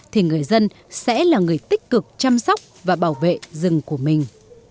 thì người dân sẽ là người tích cực chăm sóc và bảo vệ rừng của mình